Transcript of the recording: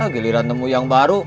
giliran temu yang baru